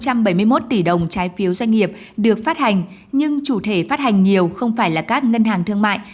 trái phiếu doanh nghiệp được phát hành nhưng chủ thể phát hành nhiều không phải là các ngân hàng thương mại